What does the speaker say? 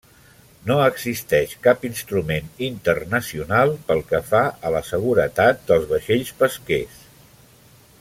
No existeix cap instrument internacional pel que fa a la seguretat dels vaixells pesquers.